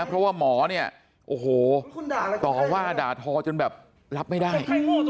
เพราะว่าหมอเนี่ยโอ้โหต่อว่าด่าทอจนแบบรับไม่ได้